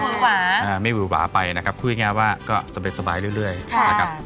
ไม่หวือหวาอ่าไม่หวือหวาไปนะครับคือยังง่ายว่าก็สะเบ็ดสบายเรื่อยค่ะนะครับอืม